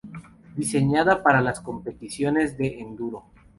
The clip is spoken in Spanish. Diseñada para las competiciones de Enduro.